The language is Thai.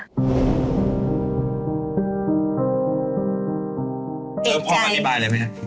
รู้พ่อการความอธิบายเลยไหม